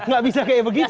gak bisa kayak begitu